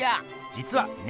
じつはね